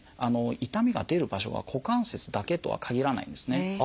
痛みが出る場所が股関節だけとは限らないんですね。